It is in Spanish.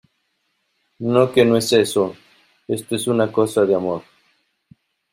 no, que no es eso. esto es una cosa de amor .